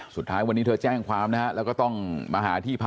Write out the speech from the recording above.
สุดท้ายวันนี้เธอแจ้งความนะฮะแล้วก็ต้องมาหาที่พัก